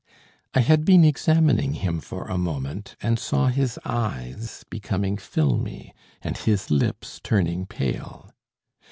I had been examining him for a moment, and saw his eyes becoming filmy, and his lips turning pale.